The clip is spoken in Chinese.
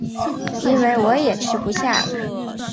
因为我也吃不下了